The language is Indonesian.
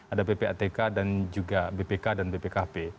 ada ppatk dan juga bpk dan bpkp